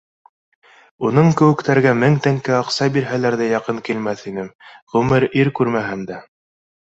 Уның кеүектәргә, мең тәңкә аҡса бирһәләр ҙә, яҡын килмәҫ инем, ғүмер ир күрмәһәм дә